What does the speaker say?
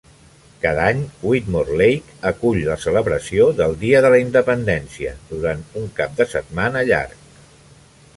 Cada any, Whitmore Lake acull la celebració del Dia de la Independència, durant un cap de setmana llarg.